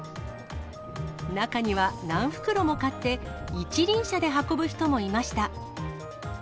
中には何袋も買って、一輪車で運ぶ人もいました。